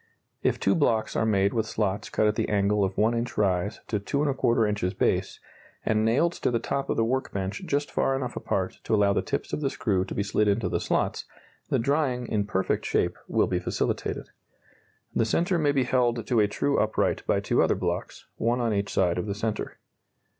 If two blocks are made with slots cut at the angle of 1 inch rise to 2¼ inches base, and nailed to the top of the work bench just far enough apart to allow the tips of the screw to be slid into the slots, the drying in perfect shape will be facilitated. The centre may be held to a true upright by two other blocks, one on each side of the centre.